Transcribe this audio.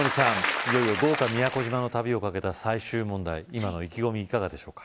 いよいよ豪華宮古島の旅をかけた最終問題今の意気込みいかがでしょうか？